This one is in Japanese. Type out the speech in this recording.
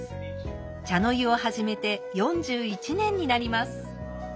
茶の湯を始めて４１年になります。